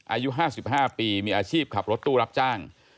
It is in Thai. อายุ๕๕ปีมีอาชีพขับรถตู้รับจ้าง